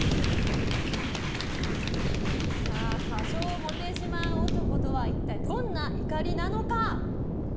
過剰モテ自慢男とは一体どんな怒りなのか。